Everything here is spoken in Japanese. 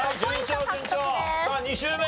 さあ２周目！